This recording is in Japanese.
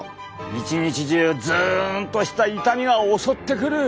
一日中ズンとした痛みが襲ってくる。